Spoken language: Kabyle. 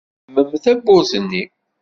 Zemmem tawwurt-nni.